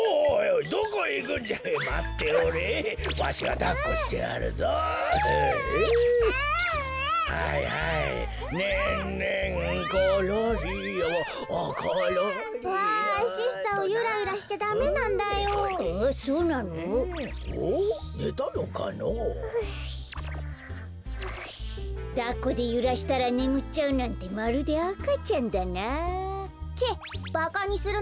だっこでゆらしたらねむっちゃうなんてまるであかちゃんだな。